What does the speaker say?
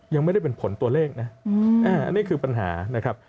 ยังไม่ได้เป็นผลตัวเลขนะอันนี้คือปัญหานะครับ